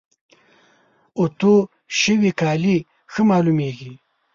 اوتو شوي کالي ښه معلوميږي.